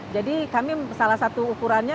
jadi kami salah satu ukurannya